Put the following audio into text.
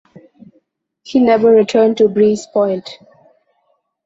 He never returned to Breeze Point.